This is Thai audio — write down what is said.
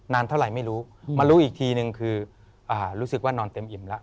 เท่าไหร่ไม่รู้มารู้อีกทีนึงคือรู้สึกว่านอนเต็มอิ่มแล้ว